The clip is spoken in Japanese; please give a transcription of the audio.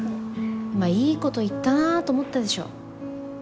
今いいこと言ったなと思ったでしょ。